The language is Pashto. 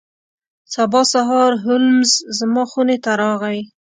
سبا سهار هولمز زما خونې ته راغی.